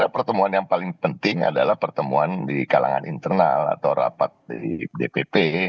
pertemuan yang paling penting adalah pertemuan di kalangan internal atau rapat di dpp